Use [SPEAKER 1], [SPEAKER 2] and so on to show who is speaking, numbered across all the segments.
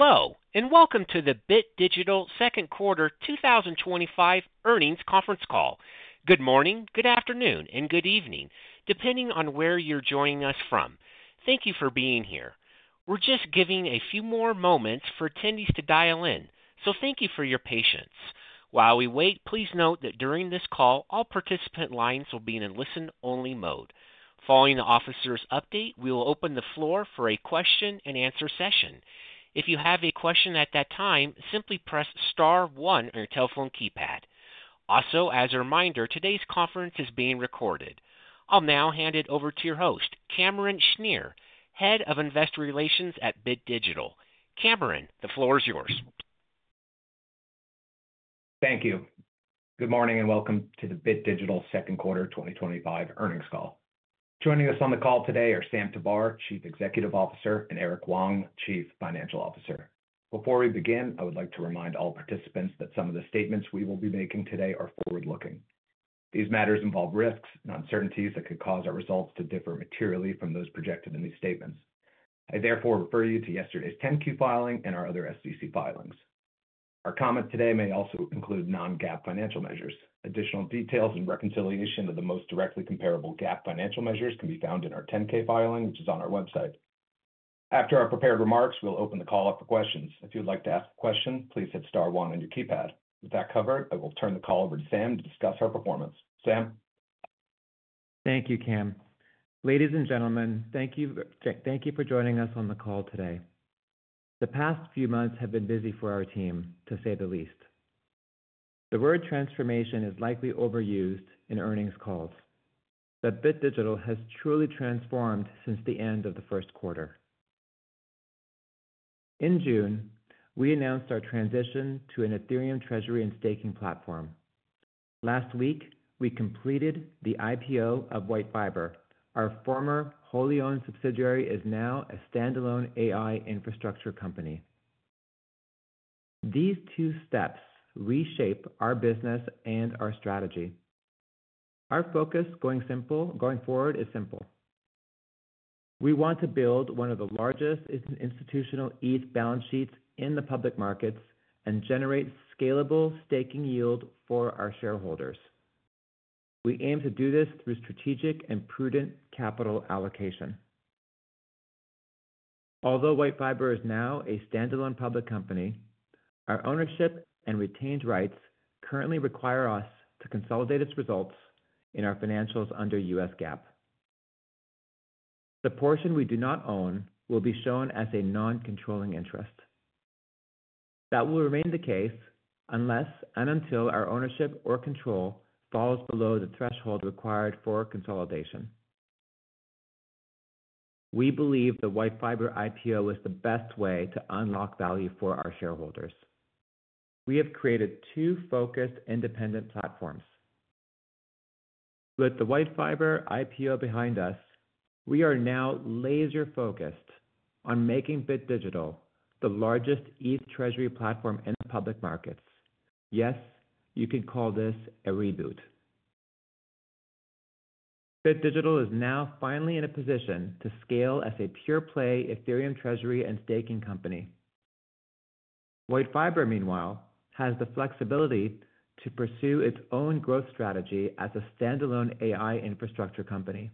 [SPEAKER 1] Hello, and welcome to the Bit Digital Inc. Second Quarter 2025 Earnings Conference Call. Good morning, good afternoon, and good evening, depending on where you're joining us from. Thank you for being here. We're just giving a few more moments for attendees to dial in, so thank you for your patience. While we wait, please note that during this call, all participant lines will be in a listen-only mode. Following the officers' update, we will open the floor for a question and answer session. If you have a question at that time, simply press star one on your telephone keypad. Also, as a reminder, today's conference is being recorded. I'll now hand it over to your host, Cameron Schnier, Head of Investor Relations at Bit Digital Inc. Cameron, the floor is yours.
[SPEAKER 2] Thank you. Good morning and welcome to the Bit Digital Inc. Second Quarter 2025 earnings call. Joining us on the call today are Samir Tabar, Chief Executive Officer, and Eric Huang, Chief Financial Officer. Before we begin, I would like to remind all participants that some of the statements we will be making today are forward-looking. These matters involve risks and uncertainties that could cause our results to differ materially from those projected in these statements. I therefore refer you to yesterday's 10-Q filing and our other SEC filings. Our comment today may also include non-GAAP financial measures. Additional details and reconciliation of the most directly comparable GAAP financial measures can be found in our 10-K filing, which is on our website. After our prepared remarks, we'll open the call up for questions. If you'd like to ask a question, please hit star one on your keypad. With that covered, I will turn the call over to Sam to discuss our performance. Sam?
[SPEAKER 3] Thank you, Cam. Ladies and gentlemen, thank you for joining us on the call today. The past few months have been busy for our team, to say the least. The word "transformation" is likely overused in earnings calls, but Bit Digital has truly transformed since the end of the first quarter. In June, we announced our transition to an Ethereum treasury and staking platform. Last week, we completed the IPO of WhiteFiber. Our former wholly-owned subsidiary is now a standalone AI infrastructure company. These two steps reshape our business and our strategy. Our focus, going forward, is simple. We want to build one of the largest institutional ETH balance sheets in the public markets and generate scalable staking yield for our shareholders. We aim to do this through strategic and prudent capital allocation. Although WhiteFiber is now a standalone public company, our ownership and retained rights currently require us to consolidate its results in our financials under U.S. GAAP. The portion we do not own will be shown as a non-controlling interest. That will remain the case unless and until our ownership or control falls below the threshold required for consolidation. We believe the WhiteFiber IPO is the best way to unlock value for our shareholders. We have created two focused, independent platforms. With the WhiteFiber IPO behind us, we are now laser-focused on making Bit Digital the largest ETH treasury platform in the public markets. Yes, you can call this a reboot. Bit Digital is now finally in a position to scale as a pure-play Ethereum treasury and staking company. WhiteFiber, meanwhile, has the flexibility to pursue its own growth strategy as a standalone AI infrastructure company.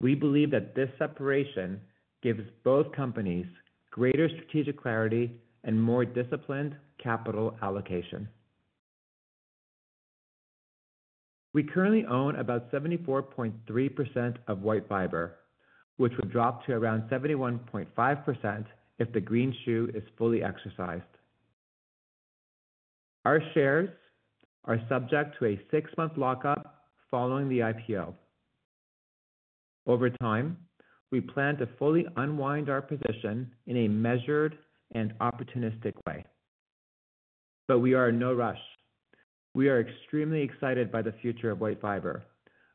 [SPEAKER 3] We believe that this separation gives both companies greater strategic clarity and more disciplined capital allocation. We currently own about 74.3% of WhiteFiber, which would drop to around 71.5% if the green shoe is fully exercised. Our shares are subject to a six-month lockup following the IPO. Over time, we plan to fully unwind our position in a measured and opportunistic way. We are in no rush. We are extremely excited by the future of WhiteFiber.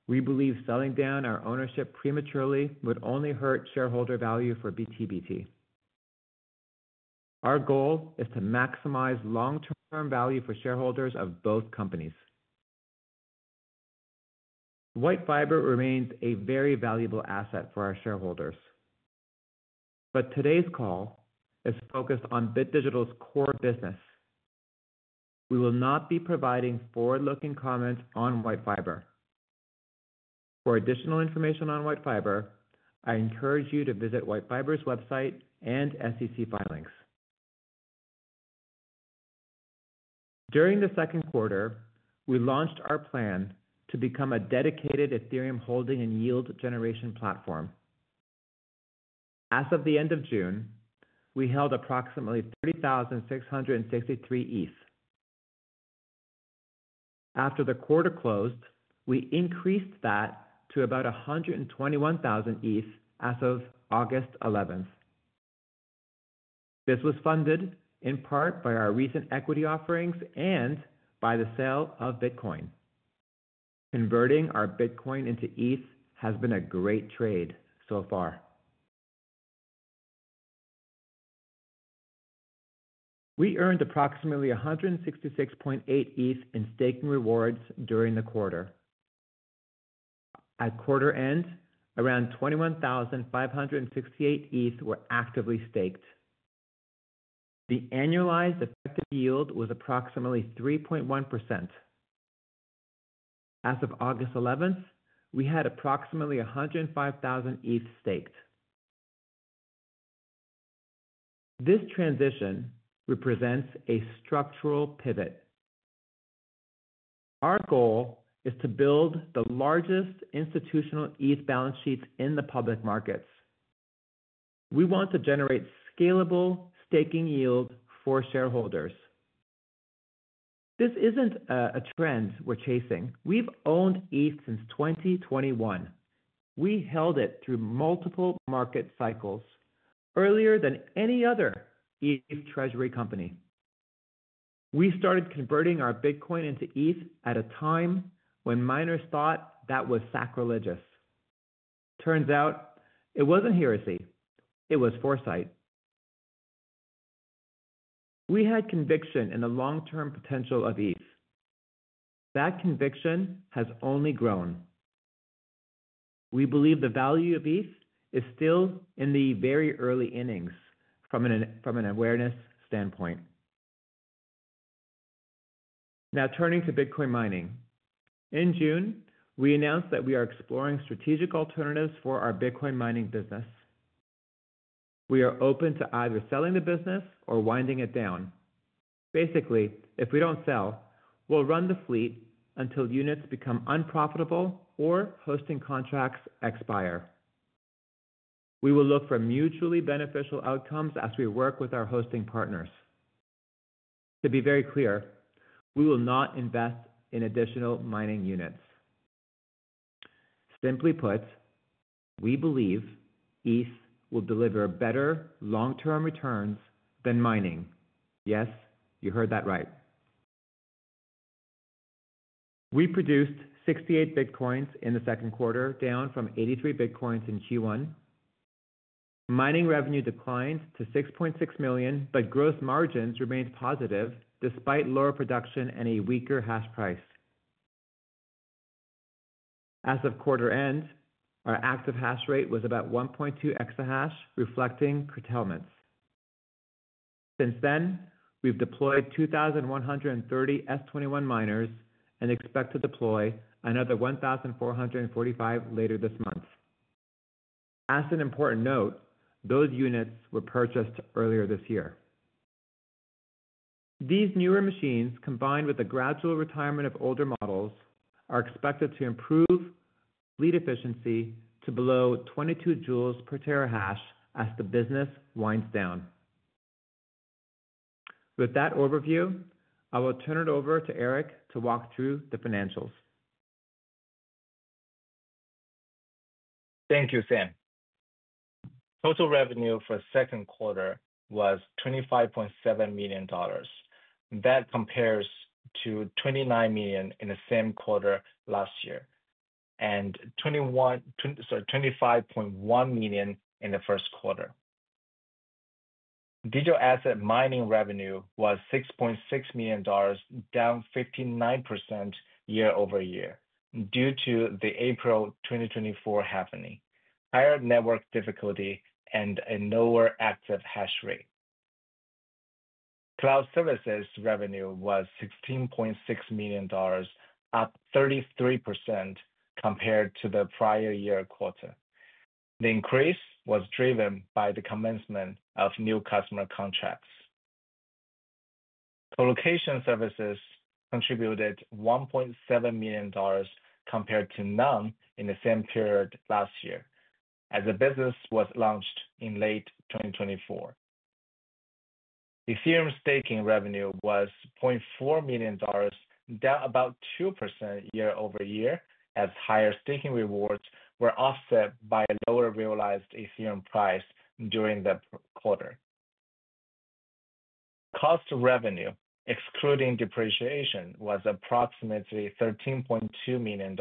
[SPEAKER 3] We believe selling down our ownership prematurely would only hurt shareholder value for BTBT. Our goal is to maximize long-term value for shareholders of both companies. WhiteFiber remains a very valuable asset for our shareholders. Today's call is focused on Bit Digital's core business. We will not be providing forward-looking comments on WhiteFiber. For additional information on WhiteFiber, I encourage you to visit WhiteFiber's website and SEC filings. During the second quarter, we launched our plan to become a dedicated Ethereum holding and yield generation platform. As of the end of June, we held approximately 30,663 ETH. After the quarter closed, we increased that to about 121,000 ETH as of August 11th. This was funded in part by our recent equity offerings and by the sale of Bitcoin. Converting our Bitcoin into ETH has been a great trade so far. We earned approximately 166.8 ETH in staking rewards during the quarter. At quarter end, around 21,568 ETH were actively staked. The annualized effective yield was approximately 3.1%. As of August 11th, we had approximately 105,000 ETH staked. This transition represents a structural pivot. Our goal is to build the largest institutional ETH balance sheets in the public markets. We want to generate scalable staking yield for shareholders. This isn't a trend we're chasing. We've owned ETH since 2021. We held it through multiple market cycles earlier than any other ETH treasury company. We started converting our Bitcoin into ETH at a time when miners thought that was sacrilegious. Turns out, it wasn't heresy. It was foresight. We had conviction in the long-term potential of ETH. That conviction has only grown. We believe the value of ETH is still in the very early innings from an awareness standpoint. Now, turning to Bitcoin mining. In June, we announced that we are exploring strategic alternatives for our Bitcoin mining business. We are open to either selling the business or winding it down. Basically, if we don't sell, we'll run the fleet until units become unprofitable or hosting contracts expire. We will look for mutually beneficial outcomes as we work with our hosting partners. To be very clear, we will not invest in additional mining units. Simply put, we believe ETH will deliver better long-term returns than mining. Yes, you heard that right. We produced 68 XTC in the second quarter, down from 83 XTC in Q1. Mining revenue declined to $6.6 million, but growth margins remained positive despite lower production and a weaker hash price. As of quarter end, our active hash rate was about 1.2 EH/s, reflecting curtailments. Since then, we've deployed 2,130 S21 miners and expect to deploy another 1,445 later this month. As an important note, those units were purchased earlier this year. These newer machines, combined with the gradual retirement of older models, are expected to improve fleet efficiency to below 22 J/TH as the business winds down. With that overview, I will turn it over to Eric to walk through the financials.
[SPEAKER 4] Thank you, Sam. Total revenue for the second quarter was $25.7 million. That compares to $29 million in the same quarter last year and $25.1 million in the first quarter. Digital asset mining revenue was $6.6 million, down 59% year-over-year due to the April 2024 halving, higher network difficulty, and a lower active hash rate. Cloud services revenue was $16.6 million, up 33% compared to the prior year quarter. The increase was driven by the commencement of new customer contracts. Colocation services contributed $1.7 million compared to none in the same period last year as the business was launched in late 2024. Ethereum staking revenue was $0.4 million, down about 2% year-over-year as higher staking rewards were offset by a lower realized Ethereum price during the quarter. Cost of revenue, excluding depreciation, was approximately $13.2 million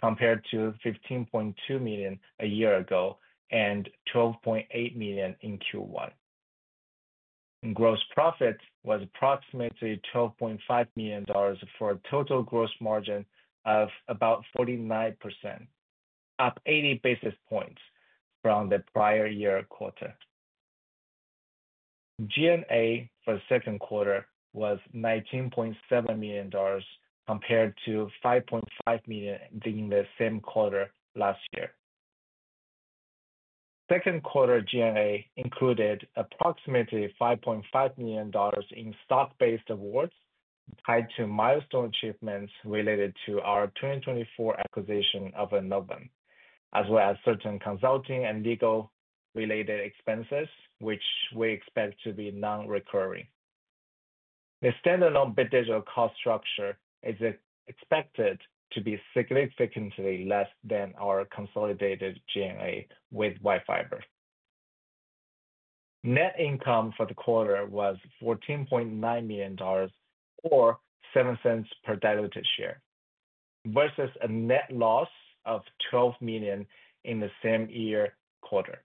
[SPEAKER 4] compared to $15.2 million a year ago and $12.8 million in Q1. Gross profit was approximately $12.5 million for a total gross margin of about 49%, up 80 basis points from the prior year quarter. G&A for the second quarter was $19.7 million compared to $5.5 million in the same quarter last year. Second quarter G&A included approximately $5.5 million in stock-based awards tied to milestone achievements related to our 2024 acquisition of Inovem, as well as certain consulting and legal-related expenses, which we expect to be non-recurring. The standalone Bit Digital cost structure is expected to be significantly less than our consolidated G&A with WhiteFiber. Net income for the quarter was $14.9 million, or $0.07 per diluted share, versus a net loss of $12 million in the same year quarter.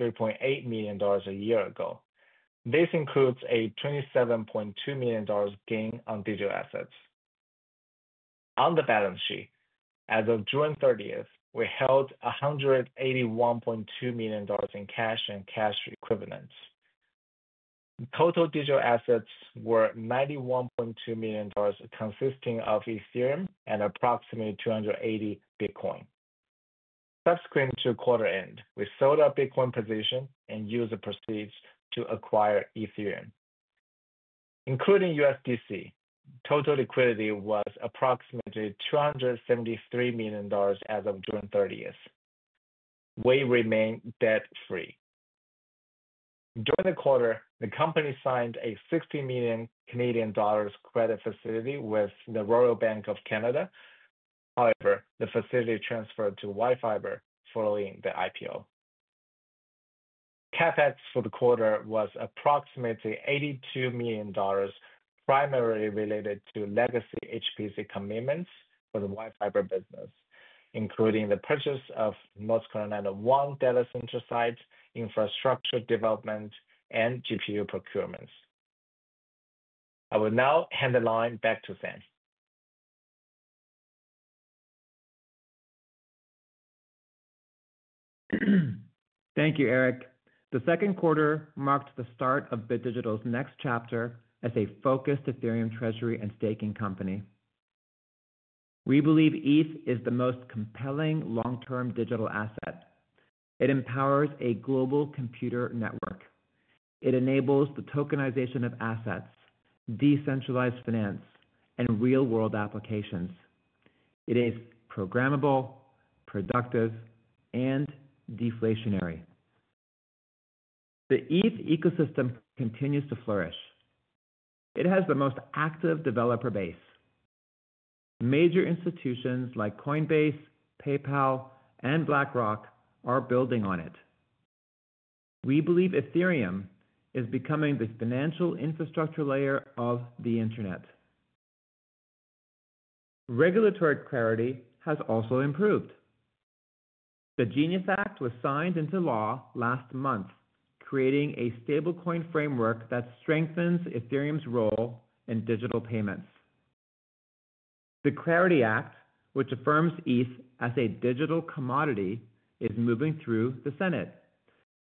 [SPEAKER 4] Adjusted EBITDA was $27.8 million compared to negative $3.8 million a year ago. This includes a $27.2 million gain on digital assets. On the balance sheet, as of June 30th, we held $181.2 million in cash and cash equivalents. Total digital assets were $91.2 million, consisting of Ethereum and approximately 280 XTC. Subsequent to quarter end, we sold our Bitcoin position and used the proceeds to acquire Ethereum. Including USDC, total liquidity was approximately $273 million as of June 30th. We remain debt-free. During the quarter, the company signed a $60 million Canadian credit facility with the Royal Bank of Canada. However, the facility transferred to WhiteFiber following the IPO. CapEx for the quarter was approximately $82 million, primarily related to legacy HPC commitments for the WhiteFiber business, including the purchase of North Carolina One data center site, infrastructure development, and GPU procurements. I will now hand the line back to Sam.
[SPEAKER 3] Thank you, Eric. The second quarter marked the start of Bit Digital Inc.'s next chapter as a focused Ethereum treasury and staking company. We believe ETH is the most compelling long-term digital asset. It empowers a global computer network. It enables the tokenization of assets, decentralized finance, and real-world applications. It is programmable, productive, and deflationary. The ETH ecosystem continues to flourish. It has the most active developer base. Major institutions like Coinbase, PayPal, and BlackRock are building on it. We believe Ethereum is becoming the financial infrastructure layer of the internet. Regulatory clarity has also improved. The GENIUS Act was signed into law last month, creating a stablecoin framework that strengthens Ethereum's role in digital payments. The Clarity Act, which affirms ETH as a digital commodity, is moving through the Senate.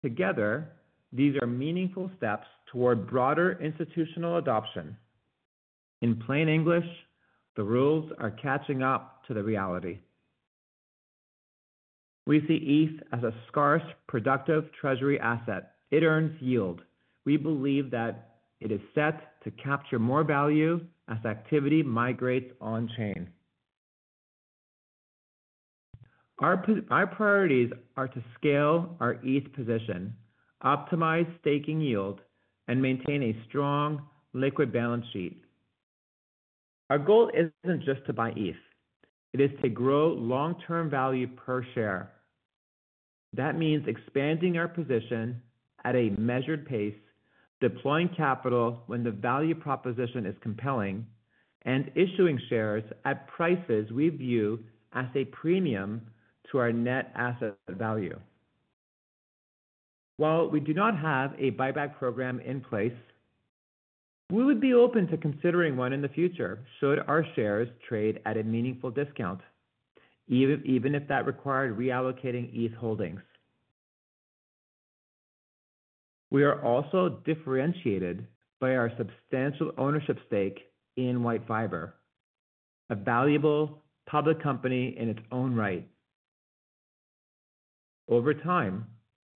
[SPEAKER 3] Together, these are meaningful steps toward broader institutional adoption. In plain English, the rules are catching up to the reality. We see ETH as a scarce, productive treasury asset. It earns yield. We believe that it is set to capture more value as activity migrates on chain. Our priorities are to scale our ETH position, optimize staking yield, and maintain a strong liquid balance sheet. Our goal isn't just to buy ETH. It is to grow long-term value per share. That means expanding our position at a measured pace, deploying capital when the value proposition is compelling, and issuing shares at prices we view as a premium to our net asset value. While we do not have a buyback program in place, we would be open to considering one in the future should our shares trade at a meaningful discount, even if that required reallocating ETH holdings. We are also differentiated by our substantial ownership stake in WhiteFiber, a valuable public company in its own right. Over time,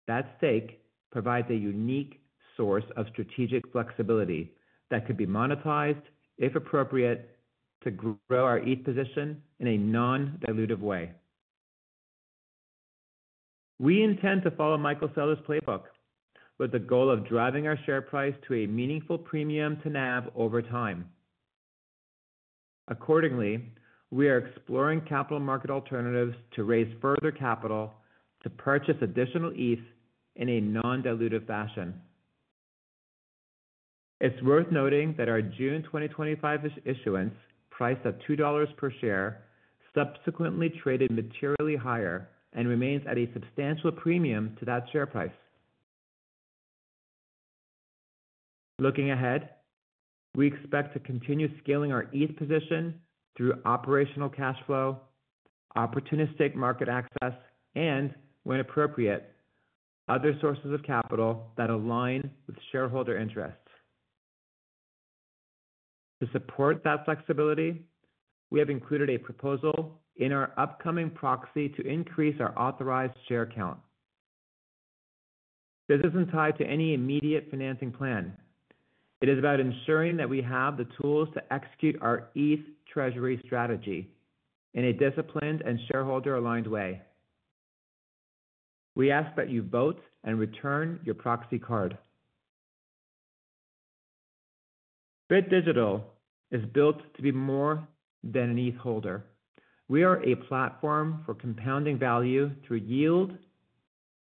[SPEAKER 3] that stake provides a unique source of strategic flexibility that could be monetized, if appropriate, to grow our ETH position in a non-dilutive way. We intend to follow Michael Saylor's playbook, with the goal of driving our share price to a meaningful premium to NAV over time. Accordingly, we are exploring capital market alternatives to raise further capital to purchase additional ETH in a non-dilutive fashion. It's worth noting that our June 2025 issuance, priced at $2 per share, subsequently traded materially higher and remains at a substantial premium to that share price. Looking ahead, we expect to continue scaling our ETH position through operational cash flow, opportunistic market access, and, when appropriate, other sources of capital that align with shareholder interests. To support that flexibility, we have included a proposal in our upcoming proxy to increase our authorized share count. This isn't tied to any immediate financing plan. It is about ensuring that we have the tools to execute our ETH treasury strategy in a disciplined and shareholder-aligned way. We ask that you vote and return your proxy card. Bit Digital Inc. is built to be more than an ETH holder. We are a platform for compounding value through yield,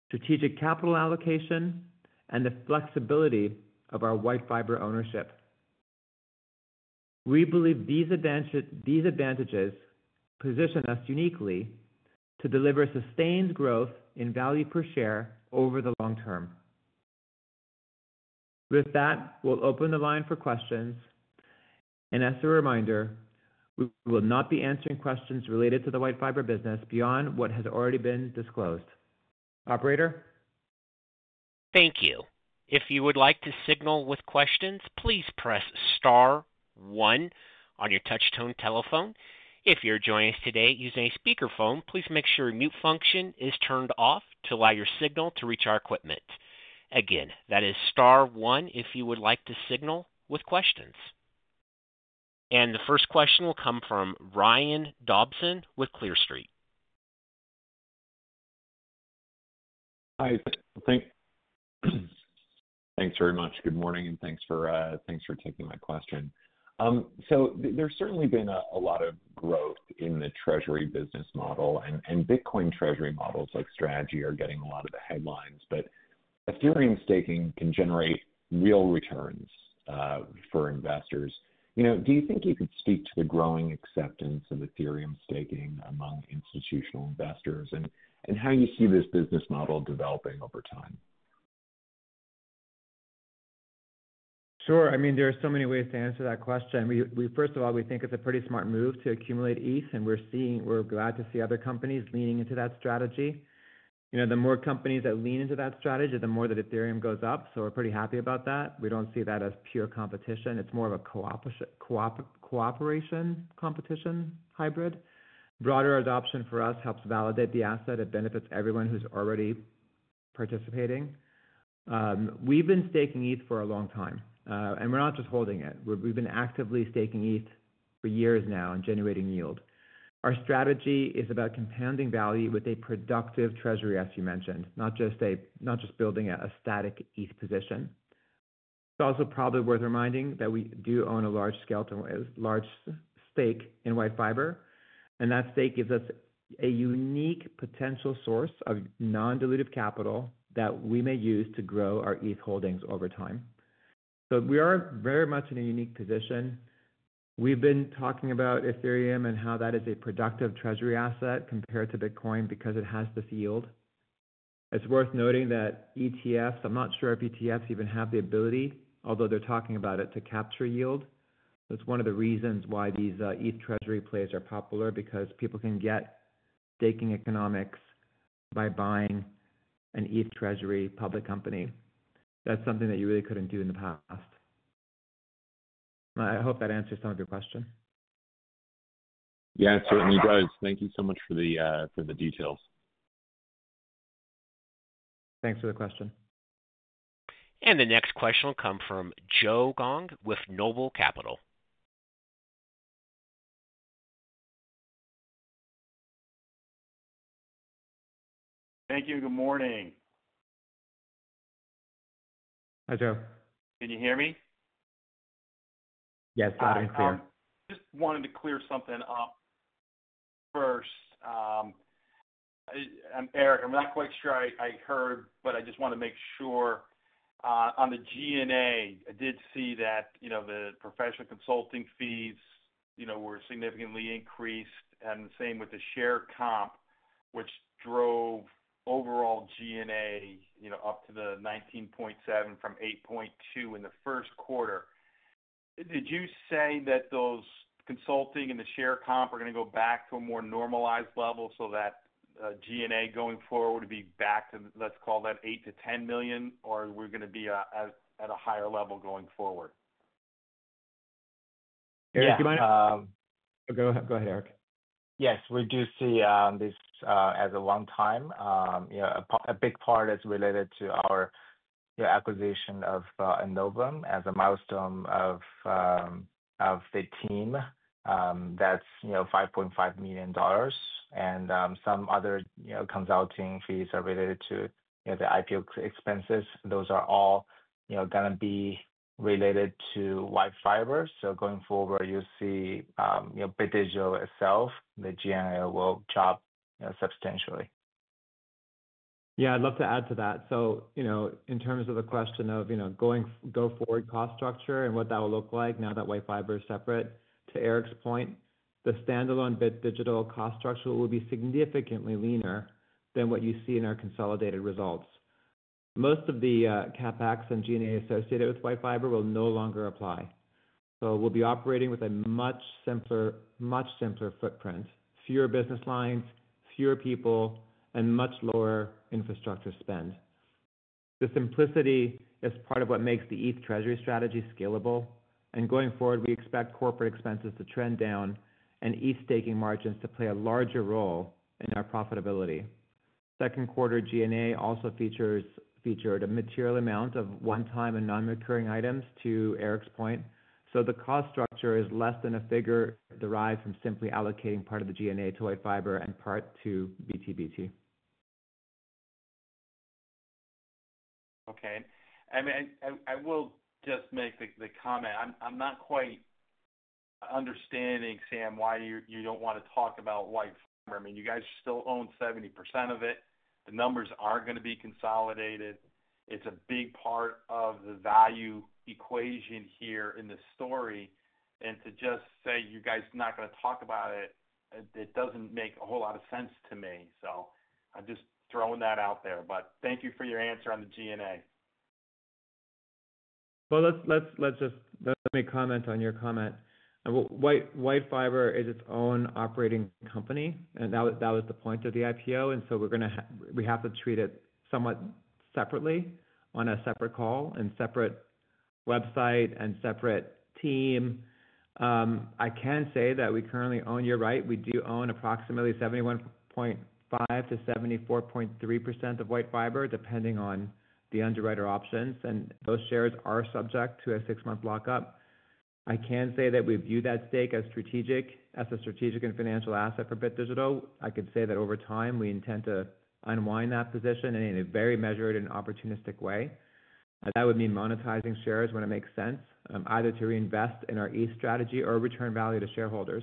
[SPEAKER 3] strategic capital allocation, and the flexibility of our WhiteFiber ownership. We believe these advantages position us uniquely to deliver sustained growth in value per share over the long term. With that, we'll open the line for questions. As a reminder, we will not be answering questions related to the WhiteFiber business beyond what has already been disclosed. Operator?
[SPEAKER 1] Thank you. If you would like to signal with questions, please press star one on your touch-tone telephone. If you're joining us today using a speakerphone, please make sure your mute function is turned off to allow your signal to reach our equipment. Again, that is star one if you would like to signal with questions. The first question will come from Brian Dobson with Clear Street.
[SPEAKER 5] Hi. Thanks very much. Good morning and thanks for taking my question. There's certainly been a lot of growth in the treasury business model, and Bitcoin treasury models like strategy are getting a lot of the headlines, but Ethereum staking can generate real returns for investors. Do you think you could speak to the growing acceptance of Ethereum staking among institutional investors and how you see this business model developing over time?
[SPEAKER 3] Sure. I mean, there are so many ways to answer that question. First of all, we think it's a pretty smart move to accumulate ETH, and we're glad to see other companies leaning into that strategy. The more companies that lean into that strategy, the more that Ethereum goes up, so we're pretty happy about that. We don't see that as pure competition. It's more of a cooperation competition hybrid. Broader adoption for us helps validate the asset. It benefits everyone who's already participating. We've been staking ETH for a long time, and we're not just holding it. We've been actively staking ETH for years now and generating yield. Our strategy is about compounding value with a productive treasury, as you mentioned, not just building a static ETH position. It's also probably worth reminding that we do own a large stake in WhiteFiber, and that stake gives us a unique potential source of non-dilutive capital that we may use to grow our ETH holdings over time. We are very much in a unique position. We've been talking about Ethereum and how that is a productive treasury asset compared to Bitcoin because it has this yield. It's worth noting that ETFs, I'm not sure if ETFs even have the ability, although they're talking about it, to capture yield. That's one of the reasons why these ETH treasury plays are popular because people can get staking economics by buying an ETH treasury public company. That's something that you really couldn't do in the past. I hope that answers some of your question.
[SPEAKER 5] Yeah, it certainly does. Thank you so much for the details.
[SPEAKER 3] Thanks for the question.
[SPEAKER 1] The next question will come from Joe Gomes with Noble Capital.
[SPEAKER 6] Thank you. Good morning.
[SPEAKER 3] Hi, Joe.
[SPEAKER 6] Can you hear me?
[SPEAKER 3] Yes, loud and clear.
[SPEAKER 6] Just wanted to clear something up first. For Eric. I'm not quite sure I heard, but I just want to make sure. On the G&A, I did see that the professional consulting fees were significantly increased, and the same with the share comp, which drove overall G&A up to $19.7 million from $8.2 million in the first quarter. Did you say that those consulting and the share comp are going to go back to a more normalized level so that G&A going forward would be back to, let's call that $8-$10 million, or are we going to be at a higher level going forward? Eric, do you mind?
[SPEAKER 4] Oh.
[SPEAKER 3] Go ahead, Eric.
[SPEAKER 4] Yes, we do see this as a long time. A big part is related to our acquisition of Inovem as a milestone of the team. That's $5.5 million, and some other consulting fees are related to the IPO expenses. Those are all going to be related to WhiteFiber. Going forward, you'll see Bit Digital itself, the G&A will drop substantially. I'd love to add to that. In terms of the question of going forward cost structure and what that will look like now that WhiteFiber is separate, to Eric's point, the standalone Bit Digital cost structure will be significantly leaner than what you see in our consolidated results. Most of the CapEx and G&A associated with WhiteFiber will no longer apply. We'll be operating with a much simpler footprint, fewer business lines, fewer people, and much lower infrastructure spend. The simplicity is part of what makes the ETH treasury strategy scalable. Going forward, we expect corporate expenses to trend down and ETH staking margins to play a larger role in our profitability. Second quarter G&A also featured a material amount of one-time and non-recurring items, to Eric's point. The cost structure is less than a figure derived from simply allocating part of the G&A to WhiteFiber and part to BTBT.
[SPEAKER 6] Okay. I will just make the comment. I'm not quite understanding, Sam, why you don't want to talk about WhiteFiber. I mean, you guys still own 70% of it. The numbers are going to be consolidated. It's a big part of the value equation here in the story. To just say you guys are not going to talk about it, it doesn't make a whole lot of sense to me. I'm just throwing that out there. Thank you for your answer on the GNA.
[SPEAKER 3] Let me comment on your comment. WhiteFiber is its own operating company, and that was the point of the IPO. We have to treat it somewhat separately on a separate call, separate website, and separate team. I can say that we currently own, you're right, we do own approximately 71.5%-74.3% of WhiteFiber, depending on the underwriter options, and those shares are subject to a six-month lockup. I can say that we view that stake as a strategic and financial asset for Bit Digital. I can say that over time, we intend to unwind that position in a very measured and opportunistic way. That would mean monetizing shares when it makes sense, either to reinvest in our ETH strategy or return value to shareholders.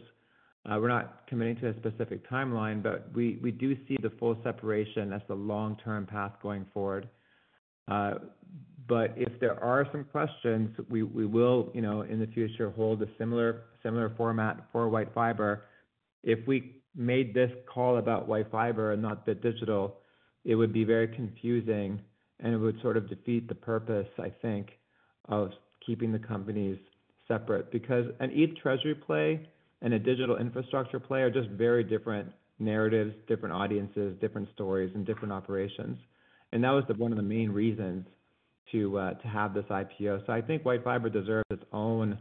[SPEAKER 3] We're not committing to a specific timeline, but we do see the full separation as the long-term path going forward. If there are some questions, we will, you know, in the future hold a similar format for WhiteFiber. If we made this call about WhiteFiber and not Bit Digital, it would be very confusing, and it would sort of defeat the purpose, I think, of keeping the companies separate. Because an ETH treasury play and a digital infrastructure play are just very different narratives, different audiences, different stories, and different operations. That was one of the main reasons to have this IPO. I think WhiteFiber deserves its own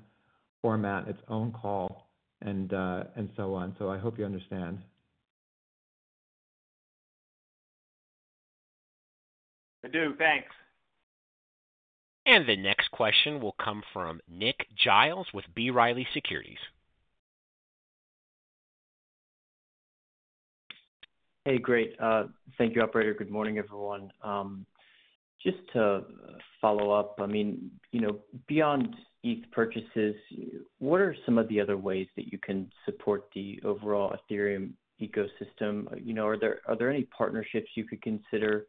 [SPEAKER 3] format, its own call, and so on. I hope you understand.
[SPEAKER 6] I do. Thanks.
[SPEAKER 1] The next question will come from Nick Giles with B. Riley Securities.
[SPEAKER 7] Hey, great. Thank you, Operator. Good morning, everyone. Just to follow up, I mean, beyond ETH purchases, what are some of the other ways that you can support the overall Ethereum ecosystem? Are there any partnerships you could consider?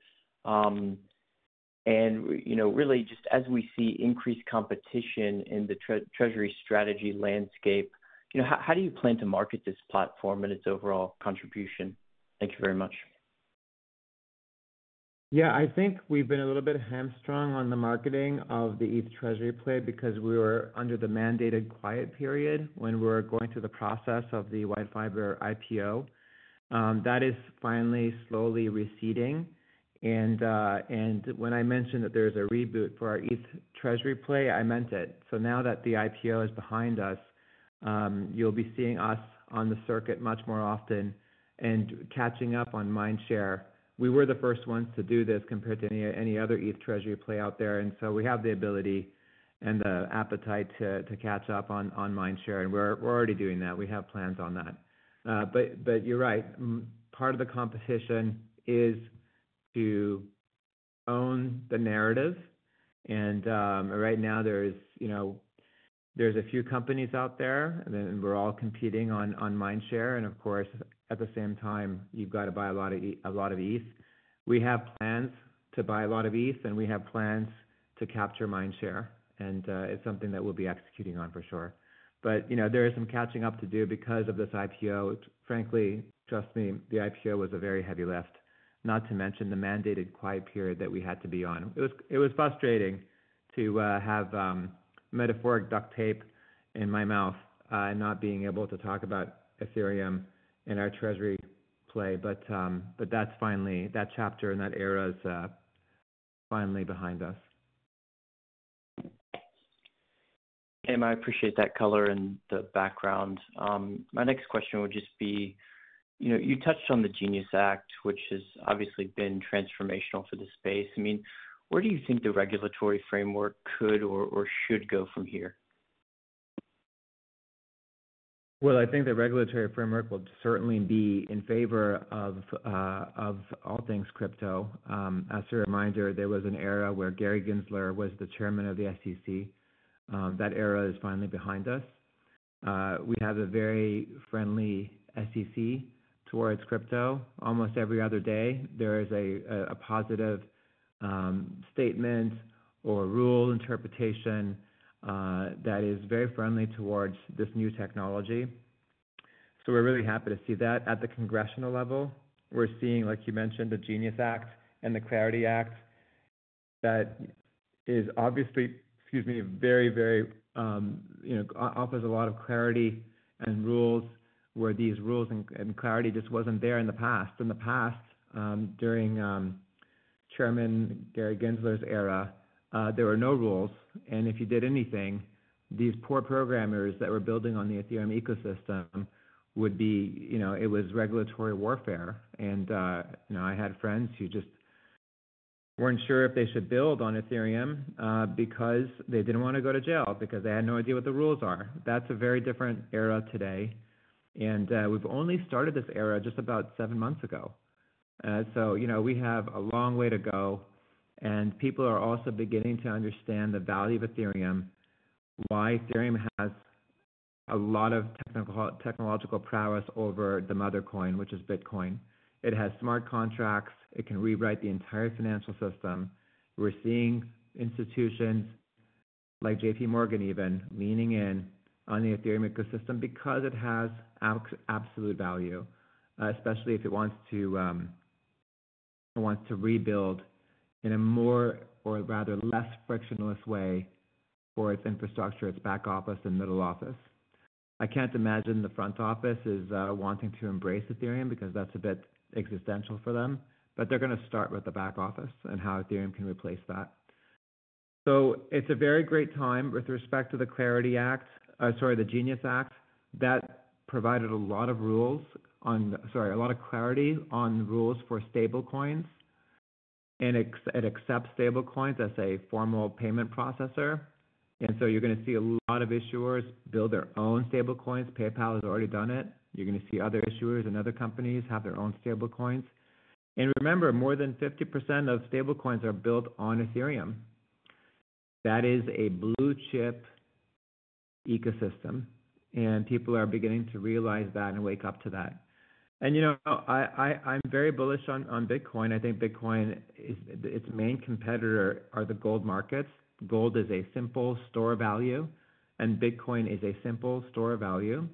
[SPEAKER 7] As we see increased competition in the treasury strategy landscape, how do you plan to market this platform and its overall contribution? Thank you very much.
[SPEAKER 3] Yeah, I think we've been a little bit hamstrung on the marketing of the ETH treasury play because we were under the mandated quiet period when we were going through the process of the WhiteFiber IPO. That is finally slowly receding. When I mentioned that there is a reboot for our ETH treasury play, I meant it. Now that the IPO is behind us, you'll be seeing us on the circuit much more often and catching up on Mindshare. We were the first ones to do this compared to any other ETH treasury play out there. We have the ability and the appetite to catch up on Mindshare, and we're already doing that. We have plans on that. You're right. Part of the competition is to own the narrative. Right now, there's a few companies out there, and we're all competing on Mindshare. Of course, at the same time, you've got to buy a lot of ETH. We have plans to buy a lot of ETH, and we have plans to capture Mindshare. It's something that we'll be executing on for sure. There is some catching up to do because of this IPO. Frankly, trust me, the IPO was a very heavy lift, not to mention the mandated quiet period that we had to be on. It was frustrating to have metaphoric duct tape in my mouth and not being able to talk about Ethereum and our treasury play. That chapter in that era is finally behind us.
[SPEAKER 7] I appreciate that color in the background. My next question would just be, you touched on the GENIUS Act, which has obviously been transformational for the space. I mean, where do you think the regulatory framework could or should go from here?
[SPEAKER 3] I think the regulatory framework will certainly be in favor of all things crypto. As a reminder, there was an era where Gary Gensler was the Chairman of the SEC. That era is finally behind us. We have a very friendly SEC towards crypto. Almost every other day, there is a positive statement or rule interpretation that is very friendly towards this new technology. We're really happy to see that at the congressional level. We're seeing, like you mentioned, the GENIUS Act and the Clarity Act that obviously offers a lot of clarity and rules where these rules and clarity just wasn't there in the past. In the past, during Chairman Gary Gensler's era, there were no rules. If you did anything, these poor programmers that were building on the Ethereum ecosystem would be, it was regulatory warfare. I had friends who just weren't sure if they should build on Ethereum because they didn't want to go to jail because they had no idea what the rules are. That's a very different era today. We've only started this era just about seven months ago. We have a long way to go. People are also beginning to understand the value of Ethereum, why Ethereum has a lot of technological prowess over the mother coin, which is Bitcoin. It has smart contracts. It can rewrite the entire financial system. We're seeing institutions like JPMorgan even leaning in on the Ethereum ecosystem because it has absolute value, especially if it wants to rebuild in a more or rather less frictionless way for its infrastructure, its back office, and middle office. I can't imagine the front office is wanting to embrace Ethereum because that's a bit existential for them. They're going to start with the back office and how Ethereum can replace that. It's a very great time with respect to the Clarity Act, the GENIUS Act that provided a lot of clarity on rules for stable coins. It accepts stable coins as a formal payment processor. You're going to see a lot of issuers build their own stable coins. PayPal has already done it. You're going to see other issuers and other companies have their own stable coins. Remember, more than 50% of stable coins are built on Ethereum. That is a blue chip ecosystem. People are beginning to realize that and wake up to that. I'm very bullish on Bitcoin. I think Bitcoin is its main competitor are the gold markets. Gold is a simple store of value. Bitcoin is a simple store of value.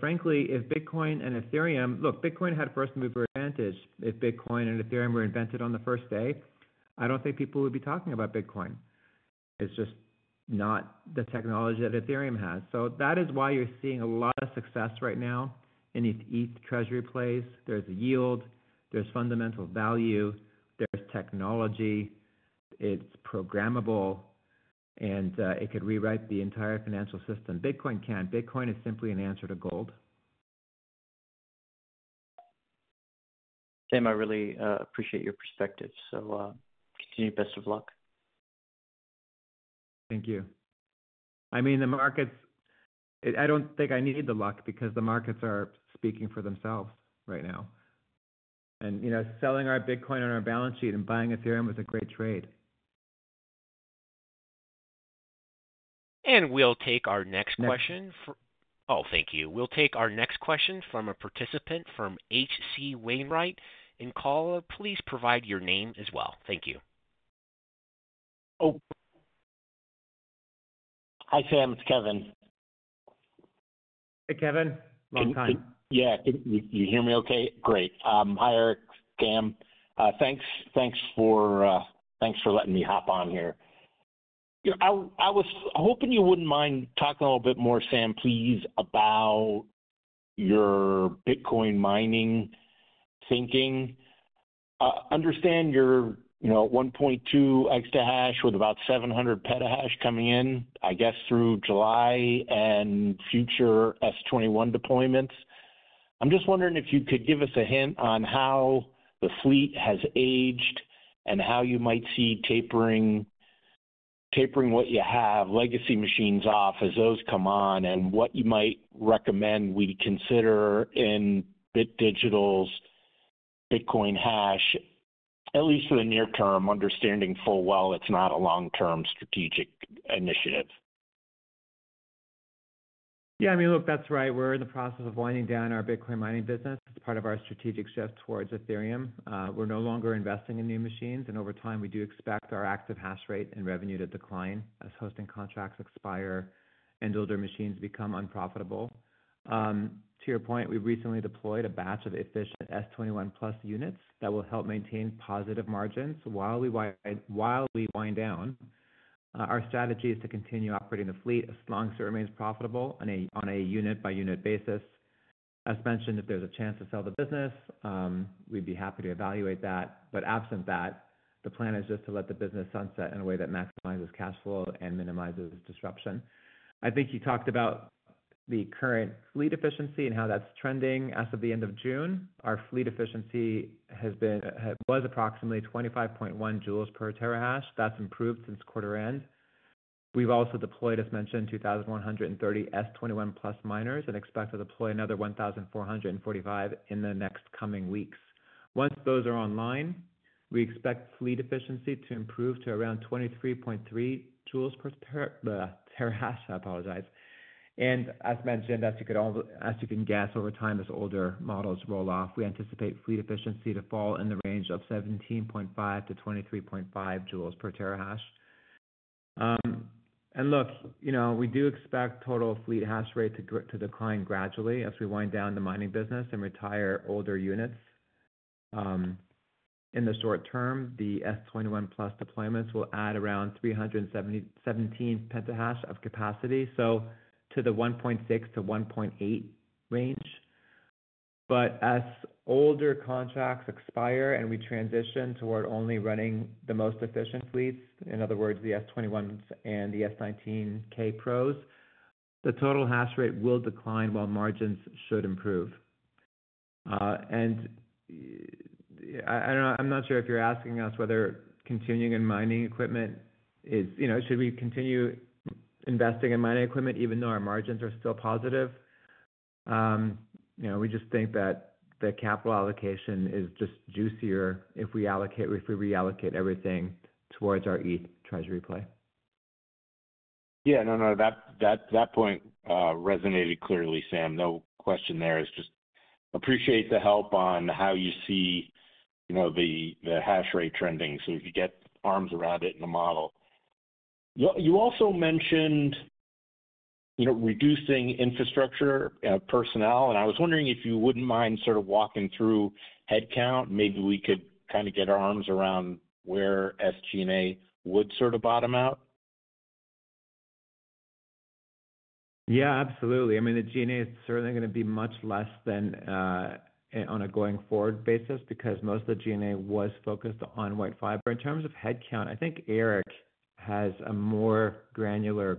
[SPEAKER 3] Frankly, if Bitcoin and Ethereum, look, Bitcoin had first mover advantage. If Bitcoin and Ethereum were invented on the first day, I don't think people would be talking about Bitcoin. It's just not the technology that Ethereum has. That is why you're seeing a lot of success right now in these ETH treasury plays. There's a yield. There's fundamental value. There's technology. It's programmable. It could rewrite the entire financial system. Bitcoin can. Bitcoin is simply an answer to gold.
[SPEAKER 7] Sam, I really appreciate your perspective. Continued best of luck.
[SPEAKER 3] Thank you. I mean, the markets, I don't think I need the luck because the markets are speaking for themselves right now. You know, selling our Bitcoin on our balance sheet and buying Ethereum was a great trade.
[SPEAKER 1] Thank you. We'll take our next question from a participant from H.C. Wainwright. Caller, please provide your name as well. Thank you.
[SPEAKER 8] Hi, Sam. It's Kevin.
[SPEAKER 3] Hey, Kevin.
[SPEAKER 8] Long time. Yeah, can you hear me okay? Great. Hi, Eric. Sam, thanks. Thanks for letting me hop on here. I was hoping you wouldn't mind talking a little bit more, Sam, please, about your Bitcoin mining thinking. I understand you're at 1.2 EH/s with about 700 PH/s coming in, I guess, through July and future S21 deployments. I'm just wondering if you could give us a hint on how the fleet has aged and how you might see tapering what you have, legacy machines off as those come on and what you might recommend we consider in Bit Digital's Bitcoin hash, at least for the near term, understanding full well it's not a long-term strategic initiative.
[SPEAKER 3] Yeah, I mean, look, that's right. We're in the process of winding down our Bitcoin mining business as part of our strategic shift towards Ethereum. We're no longer investing in new machines. Over time, we do expect our active hash rate and revenue to decline as hosting contracts expire and older machines become unprofitable. To your point, we recently deployed a batch of efficient S21 miners that will help maintain positive margins while we wind down. Our strategy is to continue operating the fleet as long as it remains profitable on a unit-by-unit basis. As mentioned, if there's a chance to sell the business, we'd be happy to evaluate that. Absent that, the plan is just to let the business sunset in a way that maximizes cash flow and minimizes disruption. I think you talked about the current fleet efficiency and how that's trending. As of the end of June, our fleet efficiency was approximately 25.1 J/TH. That's improved since quarter end. We've also deployed, as mentioned, 2,130 S21 miners and expect to deploy another 1,445 in the next coming weeks. Once those are online, we expect fleet efficiency to improve to around 23.3 J/TH. As mentioned, as you can guess, over time, as older models roll off, we anticipate fleet efficiency to fall in the range of 17.5-23.5 J/TH. We do expect total fleet hash rate to decline gradually as we wind down the mining business and retire older units. In the short term, the S21 deployments will add around 317 PH/s of capacity, to the 1.6-1.8 EH/s range. As older contracts expire and we transition toward only running the most efficient fleets, in other words, the S21s and the S19K pros, the total hash rate will decline while margins should improve. I'm not sure if you're asking us whether continuing in mining equipment is, you know, should we continue investing in mining equipment even though our margins are still positive? We just think that the capital allocation is just juicier if we reallocate everything towards our ETH treasury play.
[SPEAKER 8] Yeah, that point resonated clearly, Sam. No question there. I just appreciate the help on how you see the hash rate trending so you can get arms around it in the model. You also mentioned reducing infrastructure personnel, and I was wondering if you wouldn't mind sort of walking through headcount. Maybe we could kind of get our arms around where SG&A would sort of bottom out.
[SPEAKER 3] Yeah, absolutely. I mean, the G&A is certainly going to be much less than on a going forward basis because most of the G&A was focused on WhiteFiber. In terms of headcount, I think Eric has a more granular.